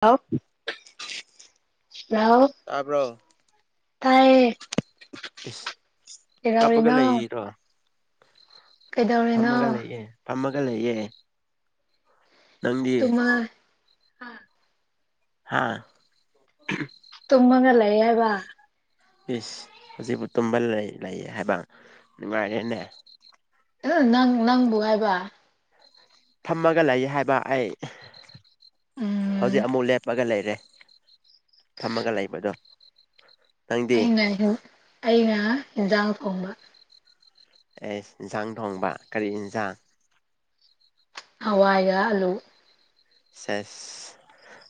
Hello hello ꯇꯥꯕ꯭ꯔꯣ ꯇꯥꯏꯌꯦꯦ ꯏꯁ ꯀꯞꯄꯒ ꯂꯩꯔꯤꯔꯣ ꯀꯩꯗꯧꯔꯤꯅꯣ ꯐꯝꯃꯒ ꯂꯩꯌꯦ ꯐꯝꯃꯒ ꯂꯩꯌꯦ ꯅꯪꯗꯤ ꯇꯨꯝꯃ ꯍꯥꯥ ꯇꯨꯝꯃꯒ ꯂꯩꯌꯦꯕ ꯏꯁ ꯍꯧꯖꯤꯛꯕꯨ ꯇꯨꯝꯕ ꯂꯩ ꯂꯩꯌꯦ ꯍꯥꯏꯕ ꯅꯨꯡꯉꯥꯏꯔꯦꯅꯦ ꯅꯪ ꯅꯪꯕꯨ ꯍꯥꯏꯕ ꯐꯝꯃꯒ ꯂꯩ ꯍꯥꯏꯕ ꯑꯩ ꯎꯝ ꯍꯧꯖꯤꯛ ꯑꯃꯨꯛ ꯂꯦꯞꯄꯒ ꯂꯩꯔꯦ ꯐꯝꯃꯒ ꯂꯩꯕꯗꯨ ꯑꯩꯅꯁꯨ ꯑꯩꯅ ꯏꯟꯖꯥꯡ ꯊꯣꯡꯕ ꯑꯦꯁ ꯏꯟꯖꯥꯡ ꯊꯣꯡꯕ ꯀꯔꯤ ꯏꯟꯖꯥꯡ ꯍꯋꯥꯏꯒ ꯑꯂꯨ ꯁꯦꯁ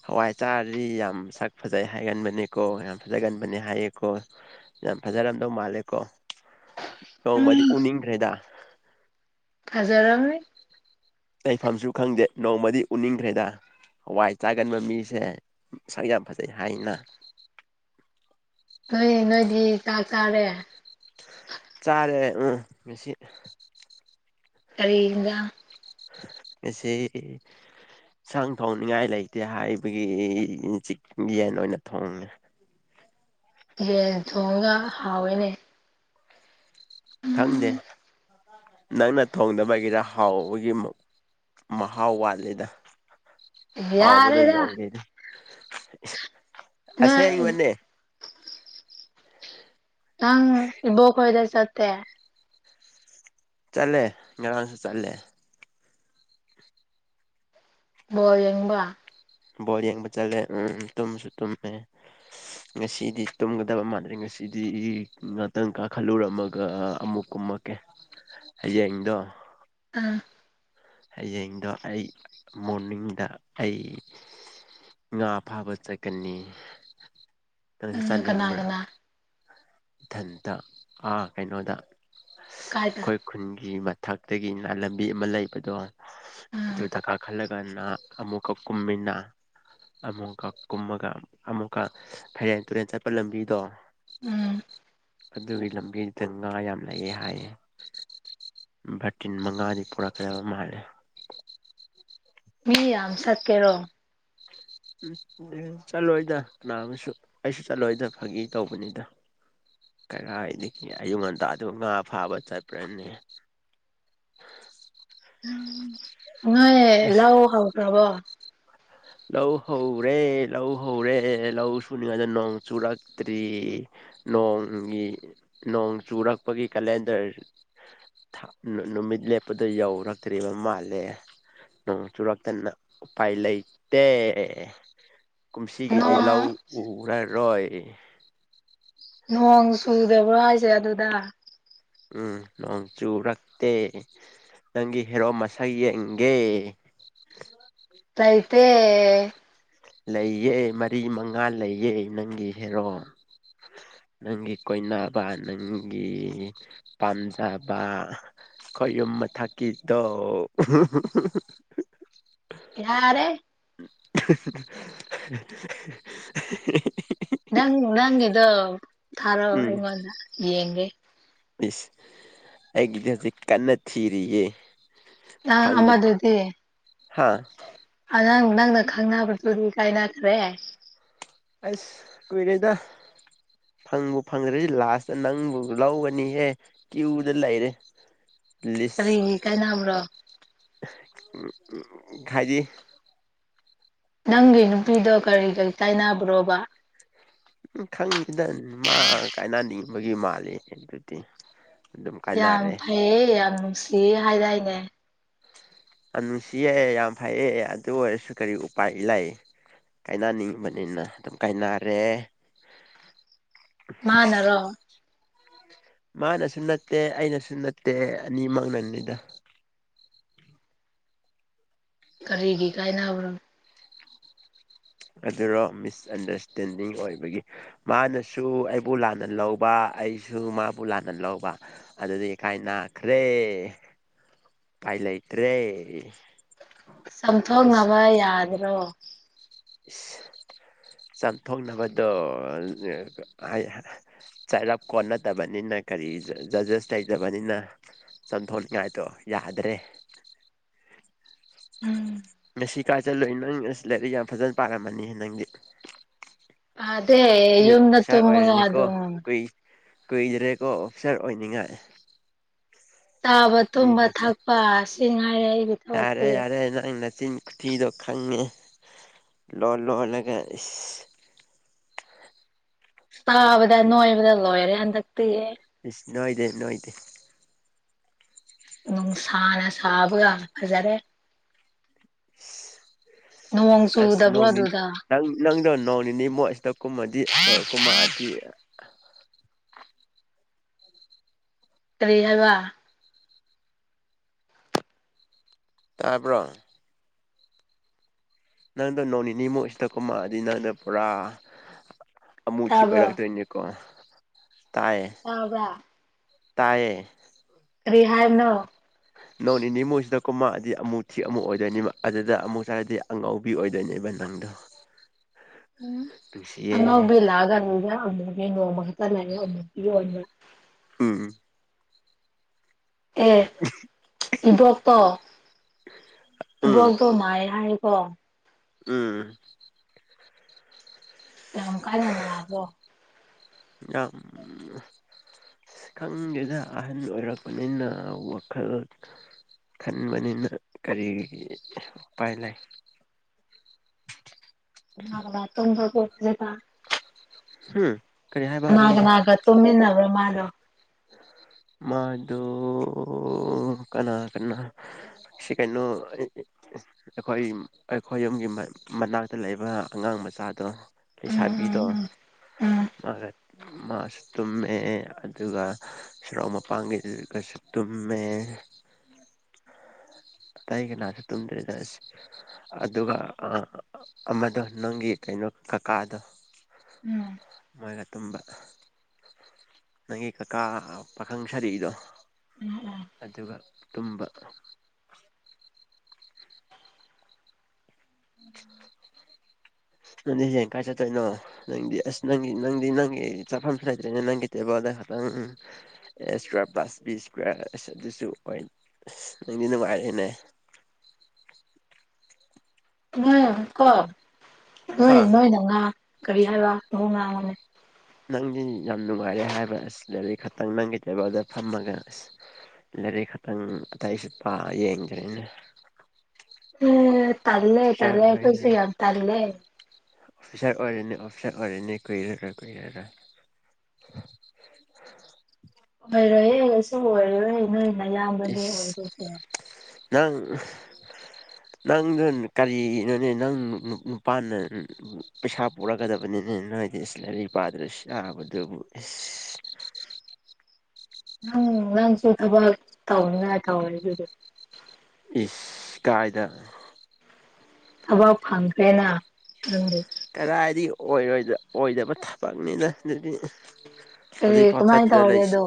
ꯍꯋꯥꯏ ꯆꯥꯔꯗꯤ ꯌꯥꯝ ꯁꯛ ꯐꯖꯩ ꯍꯥꯏꯒꯟꯕꯅꯦꯀꯣ ꯌꯥꯝ ꯐꯖꯒꯟꯕꯅꯤ ꯍꯥꯏꯌꯦꯀꯣ ꯌꯥꯝ ꯐꯥꯖꯔꯝꯗꯧ ꯃꯥꯜꯂꯦꯀꯣ ꯎꯝ ꯅꯣꯡꯃꯗꯤ ꯎꯅꯤꯡꯈ꯭ꯔꯦꯗ ꯐꯥꯖꯔꯔꯣꯏ ꯂꯩꯐꯝꯁꯨ ꯈꯪꯗꯦ ꯅꯣꯡꯃꯗꯤ ꯎꯅꯤꯡꯈ꯭ꯔꯦꯗ ꯍꯋꯥꯏ ꯆꯥꯒꯟꯕ ꯃꯤꯁꯦ ꯃꯁꯛ ꯌꯥꯝ ꯐꯖꯩ ꯍꯥꯏꯅ ꯍꯣꯏ ꯅꯣꯏꯗꯤ ꯆꯥꯛ ꯆꯥꯔꯦ ꯆꯥꯔꯦ ꯎꯝ ꯉꯁꯤ ꯀꯩ ꯏꯟꯖꯥꯡ ꯉꯁꯤ ꯏꯟꯁꯥꯡ ꯊꯣꯡꯅꯤꯡꯉꯥꯏ ꯂꯩꯇꯦ ꯍꯥꯏꯕꯒꯤ ꯆꯤ ꯌꯦꯟ ꯑꯣꯏꯅ ꯊꯣꯡꯉꯦ ꯌꯦꯟ ꯊꯣꯡꯒ ꯍꯥꯎꯋꯦꯅꯦ ꯈꯪꯗꯦ ꯅꯪꯅ ꯊꯣꯡꯗꯕꯒꯤꯔ ꯍꯥꯎꯕꯒꯤ ꯃꯍꯥꯎ ꯋꯥꯠꯂꯤꯗ ꯍꯥꯎꯕꯗꯣ ꯌꯥꯔꯦꯗ ꯌꯧꯗꯦꯗ ꯏꯁ ꯅꯣꯏ ꯑꯁꯦꯡꯕꯅꯦ ꯅꯪ ꯏꯕꯣꯛ ꯍꯣꯏꯗ ꯆꯠꯇꯦ ꯆꯠꯂꯦ ꯉꯔꯥꯡꯁꯨ ꯆꯠꯂꯦ ꯕꯣꯜ ꯌꯦꯡꯕ ꯕꯣꯜ ꯌꯦꯡꯕ ꯆꯠꯂꯦ ꯎꯝ ꯇꯨꯝꯁꯨ ꯇꯨꯝꯃꯦ ꯉꯁꯤꯗꯤ ꯇꯨꯝꯒꯗꯕ ꯃꯥꯟꯂꯤ ꯉꯁꯤꯗꯤ ꯉꯥꯛꯇꯪ ꯀꯥꯈꯜꯂꯨꯔꯝꯃꯒ ꯑꯃꯨꯛ ꯀꯨꯝꯃꯛ ꯀꯦ ꯍꯥꯌꯦꯡꯗꯣ ꯑꯥ ꯍꯌꯦꯡꯗꯣ ꯑꯩ ꯃꯣꯔꯅꯤꯡꯗ ꯑꯩ ꯉꯥ ꯐꯥꯕ ꯆꯠꯀꯅꯤ ꯅꯪꯁꯨ ꯀꯅꯥ ꯆꯠꯅꯤꯡꯕ꯭ꯔꯥ ꯀꯅꯥ ꯏꯊꯟꯇꯥ ꯑꯥ ꯀꯩꯅꯣꯗ ꯀꯥꯏꯗ ꯑꯩꯈꯣꯏ ꯈꯨꯟꯒꯤ ꯃꯊꯛꯇꯒꯤꯅꯥ ꯂꯝꯕꯤ ꯑꯃ ꯂꯩꯕꯗꯣ ꯑ ꯑꯗꯨꯗ ꯀꯥ ꯈꯜꯂ ꯀꯅ ꯑꯃꯨꯛ ꯀꯥ ꯀꯨꯝꯃꯤꯟꯅ ꯑꯃꯨꯛꯀ ꯀꯨꯝꯃꯒ ꯑꯃꯨꯛꯀ ꯐꯩꯔꯦꯟ ꯇꯨꯔꯦꯟ ꯆꯠꯄ ꯂꯝꯕꯤꯗꯣ ꯎꯝ ꯑꯗꯨꯒꯤ ꯂꯝꯕꯤꯗ ꯉꯥ ꯌꯥꯝ ꯂꯩꯑꯦ ꯍꯥꯏꯌꯦ ꯚꯔꯇꯤꯟ ꯃꯉꯥꯅꯤ ꯄꯨꯔꯛꯀꯗꯕ ꯃꯥꯜꯂꯦ ꯃꯤ ꯌꯥꯝ ꯁꯠꯀꯦꯔꯣ ꯎꯝ ꯆꯠꯂꯣꯏꯗ ꯀꯅꯥ ꯑꯃꯁꯨ ꯑꯩꯁꯨ ꯆꯠꯂꯣꯏꯗ ꯐꯥꯒꯤ ꯇꯧꯕꯅꯤꯗ ꯀꯔꯥꯏꯗꯩ ꯑꯌꯨꯛ ꯉꯟꯇꯥꯗꯨ ꯉꯥ ꯐꯥꯕ ꯆꯠꯄ꯭ꯔꯅꯦ ꯅꯣꯏ ꯂꯧ ꯍꯥꯎꯈ꯭ꯔꯕꯣ ꯂꯧ ꯍꯧꯔꯦ ꯂꯧ ꯍꯧꯔꯦ ꯂꯧ ꯁꯨꯅꯤꯉꯥꯏꯗ ꯅꯣꯡ ꯆꯨꯔꯛꯇ꯭ꯔꯤ ꯅꯣꯡꯒꯤ ꯅꯣꯡ ꯆꯨꯔꯛꯄꯒꯤ ꯀꯦꯂꯦꯟꯗꯔ ꯅꯨꯃꯤꯠ ꯂꯦꯞꯄꯗ ꯌꯧꯔꯛꯇ꯭ꯔꯤꯕ ꯃꯥꯜꯂꯦ ꯅꯣꯡ ꯆꯨꯔꯛ ꯇꯅ ꯎꯄꯥꯏ ꯂꯩ ꯇꯦ ꯀꯨꯝꯁꯤꯒꯤꯗꯤ ꯂꯧ ꯅꯣꯡ ꯎꯔꯔꯣꯏ ꯅꯣꯡ ꯆꯨꯗꯕ꯭ꯔꯣ ꯍꯥꯏꯁꯦ ꯑꯗꯨꯗ ꯎꯝ ꯅꯣꯡ ꯆꯨꯔꯛꯇꯦ ꯅꯪꯒꯤ ꯍꯦꯔꯣ ꯃꯁꯛ ꯌꯦꯡꯒꯦ ꯂꯩꯇꯦ ꯂꯩꯌꯦ ꯃꯔꯤ ꯃꯉꯥ ꯂꯩꯌꯦ ꯅꯪꯒꯤ ꯍꯦꯔꯣ ꯅꯪꯒꯤ ꯀꯣꯏꯅꯕ ꯅꯪꯒꯤ ꯄꯥꯝꯖꯕ ꯑꯩꯈꯣꯏ ꯌꯨꯝ ꯃꯊꯛꯀꯤꯗꯣ ꯌꯥꯔꯦ [unintelligible] ꯅꯪ ꯅꯪꯒꯤꯗꯣ ꯊꯥꯔꯛꯑꯣ ꯎꯝ ꯑꯩꯉꯣꯟꯗ ꯌꯦꯡꯒꯦ ꯏꯁ ꯑꯩꯒꯤꯗꯤ ꯍꯧꯖꯤꯛ ꯀꯟꯅ ꯊꯤꯔꯤꯌꯦ ꯅꯥ ꯐꯪꯕꯨ ꯐꯪ ꯑꯃꯗꯨꯗꯤ ꯍꯥ ꯑꯂꯪ ꯅꯪꯅ ꯈꯪꯅꯕꯗꯨꯗꯤ ꯀꯥꯏꯅꯈ꯭ꯔꯦ ꯑꯏꯁ ꯀꯨꯏꯔꯦꯗ ꯐꯪꯕꯨ ꯐꯪꯗ꯭ꯔꯁꯤ ꯂꯥꯁꯇ ꯅꯪꯕꯨ ꯂꯧꯒꯅꯤꯍꯦ ꯀꯤꯌꯨꯗꯥ ꯂꯩꯔꯦ ꯂꯤꯁ ꯀꯔꯤꯒꯤ ꯀꯥꯏꯅꯕ꯭ꯔꯣ [unintelligible] ꯍꯥꯏꯗꯤ ꯅꯪꯒꯤ ꯅꯨꯄꯤꯗꯣ ꯀꯔꯤ ꯀꯔꯤ ꯀꯥꯏꯅꯕ꯭ꯔꯣꯕ ꯎ ꯈꯪꯅꯤꯗ ꯃꯥ ꯀꯥꯏꯅꯅꯤꯡꯕꯒꯤ ꯃꯥꯂꯤ ꯑꯗꯨꯗꯤ ꯑꯗꯨꯝ ꯌꯥꯝ ꯀꯥꯏꯅꯔꯦ ꯐꯩꯌꯦ ꯌꯥꯝ ꯅꯨꯡꯁꯤꯌꯦ ꯍꯥꯏꯗꯥꯏꯅꯦ ꯑꯥꯅꯨꯡꯁꯤꯌꯦ ꯌꯥꯝ ꯐꯩꯌꯦ ꯑꯗꯨ ꯑꯣꯏꯔꯁꯨ ꯀꯔꯤ ꯎꯄꯥꯏ ꯂꯩ ꯀꯥꯏꯅꯅꯤꯡꯕꯅꯤꯅ ꯑꯗꯨꯝ ꯀꯥꯏꯅꯔꯦ ꯃꯥꯅꯔꯣ ꯃꯥꯅꯁꯨ ꯅꯠꯇꯦ ꯑꯩꯅꯁꯨ ꯅꯠꯇꯦ ꯑꯅꯤꯃꯛꯅꯅꯤꯗ ꯀꯔꯤꯒꯤ ꯀꯥꯏꯅꯕ꯭ꯔꯣ ꯑꯗꯨꯔꯣ ꯃꯤꯁꯑꯟꯗꯔꯁꯇꯦꯟꯗꯤꯡ ꯑꯣꯏꯕꯒꯤ ꯃꯥꯅꯁꯨ ꯑꯩꯕꯨ ꯂꯥꯟꯅ ꯂꯧꯕ ꯑꯩꯁꯨ ꯃꯥꯕꯨ ꯂꯥꯟꯅ ꯂꯧꯕ ꯑꯗꯨꯗꯤ ꯀꯥꯏ ꯅꯥꯈ꯭ꯔꯦ ꯎꯄꯥꯏ ꯂꯩꯇ꯭ꯔꯦ ꯆꯝꯊꯣꯛꯅꯕ ꯌꯥꯗ꯭ꯔꯣ ꯆꯝꯊꯣꯛꯅꯕꯗꯣ ꯍꯥꯏ ꯆꯔꯞ ꯀꯣꯠ ꯅꯠꯇꯕꯅꯤꯅ ꯀꯔꯤ ꯖꯖꯦꯁ ꯂꯩꯇꯕꯅꯤꯅ ꯆꯟꯊꯣꯛꯂꯤꯉꯥꯏꯗꯣ ꯌꯥꯗ꯭ꯔꯦ ꯎꯝ ꯉꯁꯤ ꯀꯥꯏ ꯆꯠꯂꯨꯏ ꯅꯪ ꯑꯁ ꯂꯥꯏꯔꯤꯛ ꯌꯥꯝ ꯐꯖꯅ ꯄꯥꯔꯝꯃꯅꯤ ꯅꯪꯗꯤ ꯄꯥꯗꯦ ꯃꯤ ꯌꯨꯝꯗ ꯑꯣꯐꯤꯁꯥꯔ ꯇꯨꯝꯃꯒ ꯑꯣꯏꯔꯅꯤꯀꯣ ꯑꯗꯨꯝ ꯀꯨꯏ ꯀꯨꯏꯗ꯭ꯔꯦꯀꯣ ꯑꯣꯐꯤꯁꯥꯔ ꯑꯣꯏꯅꯤꯡꯉꯥꯏ ꯆꯥꯕ ꯃꯤ ꯇꯨꯝꯕ ꯃꯆꯥ ꯊꯛꯄ ꯁꯤ ꯉꯥꯏꯔꯦ ꯑꯩꯒꯤ ꯊꯕꯛꯇꯤ ꯌꯥꯔꯦ- ꯌꯥꯔꯦ ꯅꯪ ꯅꯆꯤꯟ ꯊꯤꯗꯣ ꯈꯪꯉꯦ ꯂꯣ ꯂꯣꯜꯂꯒ ꯏꯁ ꯇꯥꯕꯗ ꯅꯣꯏꯕꯗ ꯂꯣꯏꯔꯦ ꯍꯟꯗꯛꯇꯤ ꯅꯣꯏꯗꯦ - ꯅꯣꯏꯗꯦ ꯅꯨꯡꯁꯥꯅ ꯁꯥꯕꯒ ꯐꯖꯔꯦ ꯅꯣꯡ ꯑꯁ ꯆꯨꯗꯕ꯭ꯔꯣ ꯅꯣꯡꯅꯤꯅꯤ ꯑꯗꯨꯗ ꯇꯪ ꯅꯪꯗꯣ ꯅꯣꯡ ꯅꯤꯅꯤ ꯃꯣꯏ ꯑꯁꯤꯗ ꯀꯨꯝꯃꯗꯤ ꯀꯨꯝꯃꯛꯑꯗꯤ ꯀꯔꯤ ꯍꯥꯏꯕ ꯇꯥꯕ꯭ꯔꯣ ꯅꯪꯗꯣ ꯅꯣꯡ ꯅꯤꯅꯤꯃꯨꯛꯁꯤꯗ ꯀꯨꯃꯛꯑꯗꯤ ꯅꯪꯗꯣ ꯄꯨꯔꯥ ꯑꯃꯨꯊꯤ ꯇꯥꯕ꯭ꯔꯣ ꯑꯣꯏꯔꯛꯇꯣꯏꯅꯦ ꯀꯣ ꯇꯥꯌꯦ ꯇꯥꯕ꯭ꯔ ꯇꯥꯏꯌꯦ ꯀꯔꯤꯍꯥꯏꯕꯅꯣ ꯅꯣꯡ ꯅꯤꯅꯤ ꯃꯨꯛꯁꯤꯗ ꯀꯨꯝꯃꯛꯑꯗꯤ ꯑꯃꯨꯛ ꯊꯤꯛ ꯑꯃꯨꯛ ꯑꯣꯏꯗꯣꯏꯅꯤ ꯑꯗꯨꯗ ꯑꯃꯨꯛ ꯍꯥꯏꯔꯗꯤ ꯑꯉꯧꯕ ꯅꯨꯄꯤ ꯑꯣꯏꯗꯣꯏꯅꯦꯕ ꯅꯪꯗꯣ [inaudible] ꯎꯝ ꯅꯨꯡꯁꯤꯌꯦ ꯑꯉꯧꯕꯤ ꯂꯥꯛꯑꯒꯅꯤꯒ ꯑꯃꯨꯕꯤ ꯅꯣꯡꯃ ꯈꯛꯇ ꯂꯩꯑꯦ ꯑꯃꯨꯛꯀꯤ ꯌꯣꯟꯕ ꯎꯝ ꯑꯦ ꯏꯕꯣꯛꯇꯣ- ꯎꯝ ꯏꯕꯣꯛꯇꯣ ꯅꯥꯏ ꯍꯥꯏ ꯑꯣ ꯎꯝ ꯌꯥꯝ ꯀꯥꯟꯅꯅꯥꯕꯣ ꯌꯥꯝ ꯈꯪꯗꯦꯗ ꯑꯍꯟ ꯑꯣꯏꯔꯛꯄꯅꯤꯅ ꯋꯥꯈꯜ ꯈꯟꯕꯅꯤꯅ ꯀꯔꯤ ꯎꯄꯥꯏ ꯂꯩ ꯀꯅꯥ ꯀꯅꯥ ꯇꯣꯟꯕꯕꯨꯁꯂ [unintelligible] ꯇ ꯍꯨꯝ ꯀꯔꯤ ꯍꯥꯏꯕ ꯀꯅꯥ ꯍꯧꯖꯤꯛꯀꯤꯗꯣ ꯀꯅꯥꯒ ꯇꯨꯝꯃꯤꯟꯅꯕ꯭ꯔꯣ ꯃꯥꯗꯣ ꯃꯥꯗꯣ ꯀꯅꯥ- ꯀꯅꯥ ꯁꯦ ꯀꯩꯅꯣ ꯑꯩꯈꯣꯏ- ꯑꯩꯈꯣꯏ ꯌꯨꯝꯒꯤ ꯃꯅꯥꯛꯇ ꯂꯩꯕ ꯑꯉꯥꯡ ꯃꯆꯥꯗꯣ ꯎꯝ ꯂꯩꯁꯥꯕꯤꯗꯣ ꯎꯝ ꯎꯝ ꯃꯥꯒ ꯃꯥꯁꯨ ꯇꯨꯝꯃꯦ ꯑꯗꯨꯒ ꯁꯣꯔꯣꯛ ꯃꯄꯥꯡꯒꯤꯗꯨꯒꯁꯨ ꯇꯨꯝꯃꯦ ꯑꯇꯩ ꯀꯅꯥꯁꯨ ꯇꯨꯝꯗꯦꯗ ꯑꯁ ꯑꯗꯨꯒ ꯑꯃꯗꯣ ꯅꯪꯒꯤ ꯀꯩꯅꯣ ꯀꯀꯥꯗꯣ ꯎꯝ ꯃꯣꯏꯅ ꯇꯨꯝꯕ ꯅꯪꯒꯤ ꯀꯀꯥ ꯄꯥꯈꯪ ꯁꯔꯤꯗꯣ ꯎꯝ ꯑꯗꯨꯒ ꯇꯨꯝꯕ ꯅꯪꯗꯤ ꯉꯁꯥꯏ ꯀꯥꯏ ꯆꯠꯇꯣꯏꯅꯣ ꯅꯪꯗꯤ ꯑꯁ ꯅꯪꯒꯤ ꯅꯪꯗꯤ ꯅꯪꯒꯤ ꯆꯐꯝꯁꯨ ꯂꯩꯗ꯭ꯔꯦꯅꯦ ꯅꯪꯒꯤ ꯇꯦꯕꯜꯗ ꯈꯇꯪ ꯎꯝ ꯑꯦ ꯏꯁꯀ꯭ꯋꯥꯔ ꯄ꯭ꯂꯥꯁ ꯕꯤ ꯏꯁꯀ꯭ꯋꯥꯔ ꯑꯁ ꯑꯗꯨꯁꯨ ꯑꯣꯏ ꯑꯁ ꯅꯪꯗꯤ ꯅꯨꯉꯥꯏꯔꯦꯅꯦ ꯑꯃꯥ ꯀꯣ ꯍꯥ ꯅꯣꯏ ꯅꯣꯏꯅ ꯉꯥ ꯀꯔꯤ ꯍꯥꯏꯕꯔ ꯉꯥꯉ‌ꯣ ꯉꯥ [unintelligible] ꯅꯪꯗꯤ ꯌꯥꯝ ꯅꯨꯉꯥꯏꯔꯦ ꯍꯥꯏꯕ ꯑꯁ ꯂꯥꯏꯔꯤꯛ ꯈꯇꯪ ꯅꯪꯒꯤ ꯇ‌ꯦꯕꯜꯗ ꯐꯝꯃꯒ ꯑꯁ ꯂꯥꯏꯔꯤꯛ ꯈꯇꯪ ꯑꯇꯩ ꯁꯠꯄ ꯌꯦꯡꯗꯔ‌ꯦꯅꯦ ꯎꯝ ꯇꯜꯂꯦ ꯇꯜꯂ‌ꯦ ꯑꯩꯈ‌ꯣꯏꯁ‌ꯦ ꯌꯥꯝ ꯇꯜꯂꯦ ꯑꯣꯐꯤꯁꯔ ꯑꯣꯏꯔꯅꯦ ꯑꯣꯐꯤꯁꯔ ꯑꯣꯏꯔꯅꯦ ꯀꯨꯏꯔꯔ‌ꯣꯏ ꯀꯨꯏꯔꯔ‌ꯣꯏ ꯑꯣꯏꯔ‌ꯣꯏ ꯌ‌ꯦ ꯀꯩꯁꯨ ꯑꯣꯏꯔꯔꯣꯏ ꯅꯣꯏ ꯅꯌꯥꯝꯕꯅꯦ ꯏꯁ ꯑꯣꯏꯗ‌ꯣꯏꯁ‌ꯦ ꯅꯪ ꯅꯪꯗ ꯀꯔꯤꯅꯣꯅꯦ ꯅꯪ ꯅꯨ ꯅꯨ ꯅꯨꯄꯥꯅ ꯄꯩꯁꯥ ꯄꯨꯔꯛ ꯀꯗꯕꯅꯤꯅ‌ꯦ ꯅꯣꯏꯗꯤ ꯏꯁ ꯂꯥꯏꯔꯤꯛ ꯄꯥꯗ꯭ꯔꯁꯨ ꯌꯥꯥꯕꯗꯨꯕꯨ ꯑꯁ ꯅꯪ ꯅꯪꯁꯨ ꯊꯕꯛ ꯇꯧꯅꯤꯡꯉꯥꯏ [unintelligible] ꯏꯁ ꯀꯥꯏꯗ ꯊꯕꯛ ꯐꯪꯈ꯭ꯔꯦꯅ ꯅꯪꯗꯤ ꯀꯔꯥꯏꯗꯩ ꯑꯣꯏꯔ‌ꯣꯏꯗ ꯑ‌ꯣꯏꯗꯕ ꯊꯕꯛꯅꯤꯗ ꯗꯨꯗꯤ ꯀꯔꯤ ꯍꯖꯤꯛꯐꯥꯎ ꯀꯃꯥꯏꯅ ꯆꯠꯇ꯭ꯔ ꯇꯧꯔꯒꯦ ꯂꯩꯁꯤ ꯑꯗꯣ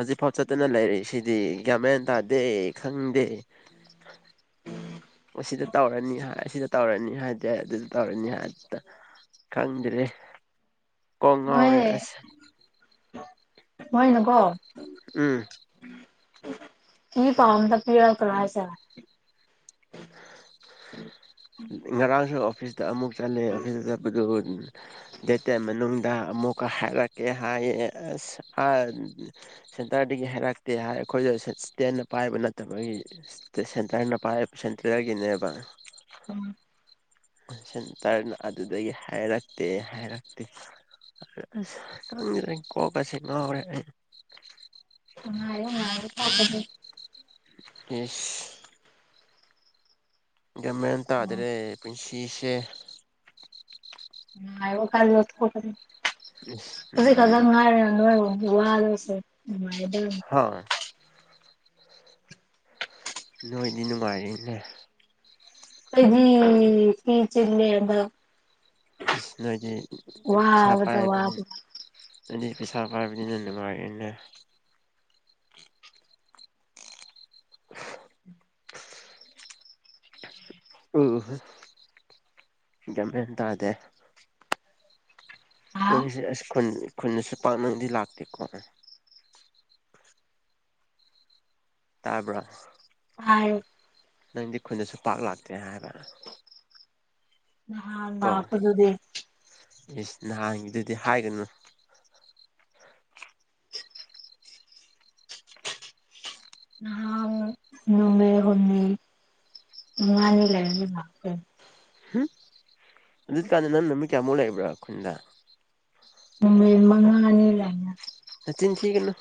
ꯍꯖꯤꯛ ꯐꯥꯎ ꯆꯠꯇꯅ ꯂꯩꯔꯤꯁꯤꯗꯤ ꯒꯥꯟ ꯃꯦꯟ ꯇꯥꯗꯦ ꯈꯪꯗꯦ ꯑꯣ ꯁꯤꯗ ꯇꯧꯔꯅꯤ ꯍꯥꯏ ꯑꯁꯤꯗ ꯇꯧꯔꯅꯤ ꯍꯥꯏꯗ‌ꯦ ꯑꯗꯨꯗ ꯇꯧꯔꯅꯤ ꯍꯥꯏ ꯗꯥ ꯈꯪꯗ꯭‌ꯔ‌ꯦ ꯃꯣꯏ ꯃꫭꯏꯅꯒ‌ꯣ ꯎꯝ ꯏꯄꯥꯎ ꯑꯝꯇ ꯄꯤꯔꯛꯇ꯭ꯔꯥ ꯍꯥꯏꯁꯦ [inaudible] ꯉꯔꯥꯡꯁꯨ ꯑꯣꯐꯤꯁꯇ ꯑꯃꯨꯛ ꯆꯠꯂꯦ ꯑꯣꯐꯤꯁ ꯆꯠꯄꯗꯨ ꯗꯦꯠ ꯇ‌ꯦꯟ ꯃꯅꯨꯡꯗ ꯑꯃꯨꯛꯀ ꯍꯥꯏꯔꯛꯀꯦ ꯍꯥꯏꯌꯦ ꯑꯁ ꯍꯥꯏ ꯑꯗꯨꯗꯤ ꯁꯦꯟꯇꯔꯗꯒꯤ ꯍꯥꯏꯔꯛꯇꯦ ꯍꯥꯏ ꯑꯈꯣꯏꯒ ꯁꯠꯁꯇꯦꯟꯅ ꯄꯥꯏꯕ ꯅꯠꯇꯕꯒꯤ ꯁꯦꯟꯇꯔꯅ ꯄꯥꯏꯞ ꯁꯦꯟꯇꯔꯒꯤꯅꯦꯕ ꯎꯝ ꯁꯦꯟꯇꯔꯅ ꯑꯗꯨꯗꯒꯤ ꯍꯥꯏꯔꯛꯇꯦ ꯍꯥꯏꯔꯛꯇꯦ ꯑꯁ ꯈꯪꯗ‌ꯔ‌ꯦ ꯀꯣꯛ ꯀꯥꯁꯦ ꯉꯥꯎꯔꯦ ꯑꯩ ꯑ‌ꯣ ꯉꯥꯏꯌ‌ꯣ ꯉꯥꯏꯌ‌ꯣ ꯇꯥꯛꯄꯖ‌ꯦ ꯏꯁ ꯒ꯭ꯌꯥꯃꯦꯟ ꯎꯝ ꯇꯥꯗ꯭ꯔꯦ ꯄꯨꯟꯁꯤꯁꯦ ꯉꯥꯏꯔꫭ ꯀꯥꯟꯗ ꯊ‌ꯣꯛꯄꯅꯤ ꯏꯁ ꯑꯁꯤ ꯅꯨꯡꯉꯥꯏꯕ ꯈꯛꯇꯪ ꯉꯥꯏꯔꯦ ꯅꯣꯏꯔꯣꯝꯒꯤ ꯋꯥꯖ‌‌ꯦ ꯁ‌ꯦ ꯅꯨꯉꯥꯏꯔꯗꯧꯅꯤ [unintelligible] ꯅꯣꯏꯗꯤ ꯅꯨꯡꯉꯥꯏꯔꯤꯅꯦ ꯑꯩꯗꯤ ꯀꯤ ꯆ‌ꯦ ꯂ‌ꯦꯝꯕ ꯏꯁ ꯅꯣꯏꯗꯤ ꯄꯩꯁꯥ ꯋꯥꯕꯗ ꯄꯥꯏꯕꯅꯤ ꯋꯥꯕꯗ ꯅ‌ꯣꯏꯗꯤ ꯄꯩꯁꯥ ꯄꯥꯏꯕꯅꯤꯅ ꯅꯨꯡꯉꯥꯏꯔꯦꯅꯦ [inaudible] [unintelligible] ꯒ꯭ꯌꯥꯟꯃꯦꯟ ꯇꯥꯗꯦ꯫ ꯍꯥ ꯅꯪꯁꯦ ꯑꯁ ꯈꯨꯟ-ꯈꯨꯟꯗꯁꯨ ꯄꯥꯛꯅꯗꯤ ꯂꯥꯛꯇꯦꯀꯣ꯫ ꯇꯥꯕ꯭ꯔ꯫ ꯇꯥꯏ꯫ ꯅꯪꯗꯤ ꯈꯨꯟꯗꯁꯨ ꯄꯥꯛ ꯂꯥꯛꯇꯦ ꯍꯥꯏꯕ꯫ ꯅꯍꯥꯟ ꯀꯣ ꯂꯥꯛꯄꯗꯨꯨꯗꯤ꯫ ꯏꯁ ꯅꯍꯥꯟꯒꯤꯗꯨꯗꯤ ꯍꯥꯏꯒꯅꯨ꯫ ꯅꯍꯥꯟ ꯅꯨꯃꯤꯠ ꯍꯨꯝꯅꯤ ꯃꯉꯥꯅꯤ ꯂꯩꯔꯒ [unintelligible] ꯍꯨꯡ ꯑꯗꯨ ꯀꯥꯟꯗ ꯅꯪ ꯅꯨꯃꯤꯠ ꯀꯌꯥꯃꯨꯛ ꯂꯩꯕ꯭ꯔꯥ ꯈꯨꯟꯗ꯫ ꯅꯨꯃꯤꯠ ꯃꯉꯥꯅꯤ ꯂꯩ [unintelligible] ꯅꯆꯤꯟ ꯊꯤꯒꯅꯨ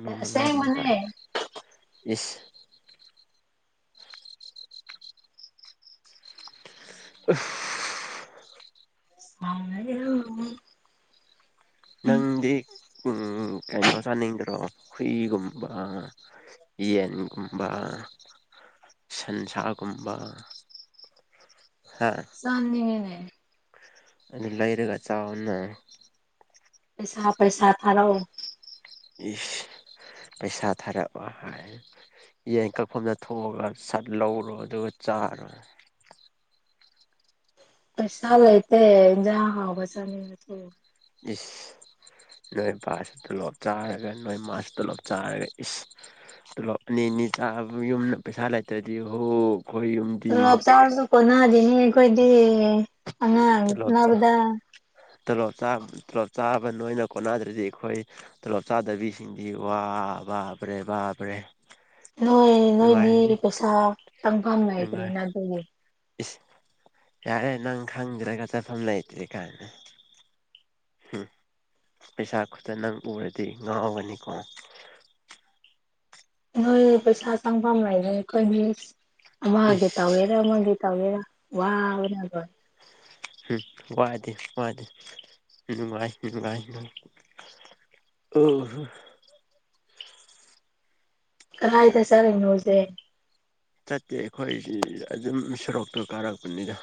ꯅꯨꯃꯤꯠ ꯃꯉꯥꯃꯨꯛ ꯑꯁꯦꯡꯕꯅꯦ ꯀꯥꯏꯅ꯫ ꯏꯁ꯫ [unintelligible] [inaudible] ꯅꯪꯗꯤ ꯎꯪ ꯀꯩꯅꯣ ꯆꯥꯅꯤꯡꯗ꯭ꯔꯣ ꯍꯨꯏꯒꯨꯝꯕ ꯌꯦꯟꯒꯨꯝꯕ ꯁꯟꯁꯥꯒꯨꯝꯕ꯫ ꯍꯥ꯫ ꯆꯥꯅꯤꯡꯉꯤꯅꯦ꯫ ꯑꯗꯨ ꯂꯩꯔꯒ ꯆꯥꯎꯅ꯫ ꯄꯩꯁꯥ ꯄꯩꯁꯥ ꯊꯥꯔꯛꯑꯣ꯫ ꯏꯁ ꯄꯩꯁꯥ ꯊꯥꯔꯛꯑꯣ ꯍꯥꯏ꯫ ꯌꯦꯟ ꯀꯛꯐꯝꯗ ꯊꯣꯛꯑꯒ ꯁꯠ ꯂꯧꯔꯣ ꯑꯗꯨꯒ ꯆꯥꯔꯣ꯫ ꯄꯩꯁꯥ ꯂꯩꯇꯦ ꯏꯟꯖꯥꯡ ꯍꯥꯎꯕ ꯆꯅꯤꯡꯉꯁꯨ꯫ ꯏꯁ꯫ ꯅꯣꯏ ꯕꯥꯁꯨ ꯇꯣꯂꯣꯞ ꯆꯥꯔꯒ ꯅꯣꯏ ꯃꯥꯁꯨ ꯇꯣꯂꯣꯞ ꯆꯥꯔꯒ ꯏꯁ꯫ ꯇꯣꯂꯣꯞ ꯑꯅꯤ ꯑꯅꯤ ꯆꯥꯕ ꯌꯨꯝꯅ ꯄꯩꯁꯥ ꯂꯩꯇ꯭ꯔꯗꯤ ꯍꯣ ꯑꯩꯈꯣꯏ ꯌꯨꯝ ꯇꯣꯂꯣꯞ ꯆꯥꯔꯁꯨ ꯀꯣꯟꯅꯗꯦꯅꯦ ꯑꯩꯈꯣꯏꯗꯤ꯫ ꯑꯦ ꯑꯉꯥꯡ ꯇꯣꯂꯣꯞ ꯆꯥ ꯍꯣꯠꯅꯕꯗ ꯇꯣꯂꯣꯞ ꯆꯥ ꯇꯣꯂꯣꯞ ꯆꯥꯕ ꯅꯣꯏꯅ ꯀꯣꯟꯅꯗ꯭ꯔꯗꯤ ꯑꯩꯈꯣꯏ ꯇꯣꯂꯣꯞ ꯆꯥꯗꯕꯤꯁꯤꯡꯗꯤ ꯋꯥ ꯕꯥꯄ꯭ꯔꯦ ꯕꯥꯄ꯭ꯔꯦ꯫ ꯅꯣꯏ ꯅꯣꯏꯗꯤ ꯄꯩꯁꯥ ꯆꯪꯐꯝ ꯅꯨꯡꯉꯥꯏ ꯂꯩꯇ꯭ꯔꯦꯅ ꯑꯗꯨꯒꯤ꯫ ꯏꯁ ꯌꯥꯔꯦ ꯅꯪ ꯈꯪꯗ꯭ꯔꯒ ꯆꯠꯐꯝ ꯂꯩꯇꯦ ꯀꯥꯏꯅ꯫ ꯍꯨꯡ ꯄꯩꯁꯥ ꯈꯨꯠꯇ ꯅꯪ ꯎꯔꯗꯤ ꯉꯥꯎꯒꯅꯤꯀꯣ꯫ ꯅꯣꯏ ꯄꯩꯁꯥ ꯆꯪꯐꯝ ꯂꯩꯔꯣꯏ ꯑꯩꯈꯣꯏꯗꯤ ꯑꯃꯒꯤ ꯇꯧꯒꯦꯔꯥ ꯏꯁ ꯑꯃꯒꯤ ꯇꯧꯒꯦꯔꯥ ꯋꯥꯕꯅ ꯂꯣꯏ ꯍꯨꯡ ꯋꯥꯗꯦ ꯋꯥꯗꯦ ꯅꯨꯡꯉꯥꯏ ꯅꯨꯡꯉꯥꯏ ꯅꯨꯡ ꯑꯣ ꯍ꯫ ꯀꯔꯥꯏꯗ ꯆꯠꯂꯤꯅꯣ ꯍꯧꯖꯤꯛ꯫ ꯆꯠꯇꯦ ꯑꯩꯈꯣꯏꯁꯤ ꯑꯗꯨꯝ ꯁꯣꯔꯣꯛꯇꯣ ꯀꯥꯔꯛꯄꯅꯤꯗ꯫